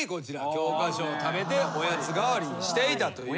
「教科書を食べておやつ代わりにしていた」という。